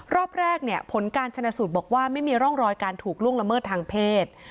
รอบแรกเนี่ยผลการชนะสูตรบอกว่าไม่มีร่องรอยการถูกล่วงละเมิดทางเพศ